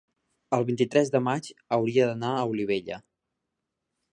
el vint-i-tres de maig hauria d'anar a Olivella.